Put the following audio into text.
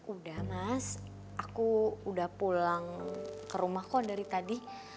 udah mas aku udah pulang ke rumah kok dari tadi